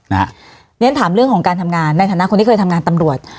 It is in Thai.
เพราะฉะนั้นถามเรื่องของการทำงานในฐานะคนที่เคยทำงานตำรวจ